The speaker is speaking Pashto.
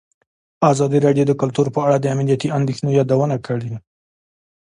ازادي راډیو د کلتور په اړه د امنیتي اندېښنو یادونه کړې.